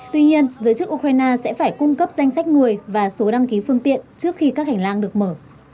tuy nhiên giới chức ukraine sẽ phải cung cấp danh sách người và số đăng ký phương tiện trước khi các hành lang được mở